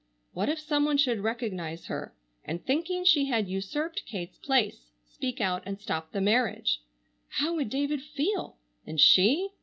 What if some one should recognize her and, thinking she had usurped Kate's place, speak out and stop the marriage! How would David feel? And she?